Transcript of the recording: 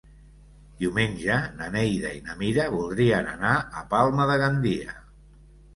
Diumenge na Neida i na Mira voldrien anar a Palma de Gandia.